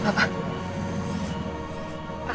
ah abang yaak